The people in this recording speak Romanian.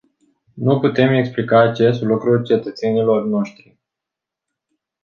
Nu putem explica acest lucru cetățenilor noștri.